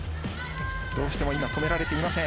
どうしても止められていません。